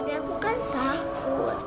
tapi aku kan takut